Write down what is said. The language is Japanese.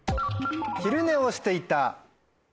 「昼寝をしていた」。